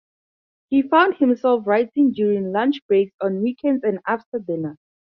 He found himself writing during lunch breaks, on weekends, and after dinner.